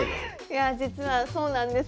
いや実はそうなんです。